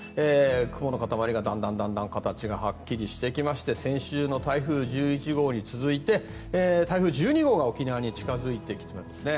雲の塊がだんだん形がはっきりしてきまして先週の台風１１号に続いて台風１２号が沖縄に近付いてきているんですね。